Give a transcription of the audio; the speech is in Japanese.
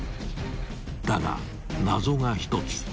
［だが謎が一つ］